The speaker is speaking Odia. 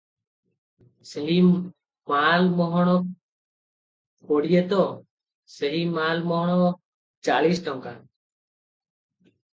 ସେହି ମାଲ ମହଣ କୋଡ଼ିଏ ତ 'ସେହି ମାଲ ମହଣ ଚାଳିଶ ଟଙ୍କା ।